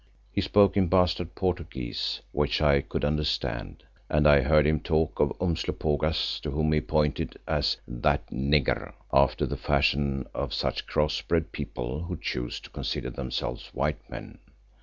He spoke in bastard Portuguese, which I could understand, and I heard him talk of Umslopogaas to whom he pointed, as "that nigger," after the fashion of such cross bred people who choose to consider themselves white men.